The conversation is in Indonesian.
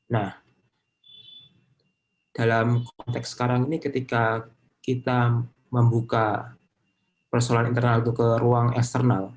nah dalam konteks sekarang ini ketika kita membuka persoalan internal itu ke ruang eksternal